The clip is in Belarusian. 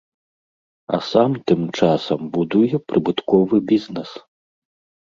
А сам тым часам будуе прыбытковы бізнэс.